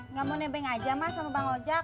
nggak mau nebeng aja mas sama bang ojek